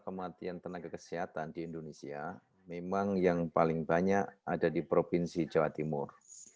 kematian tenaga kesehatan di indonesia memang yang paling banyak ada di provinsi jawa timur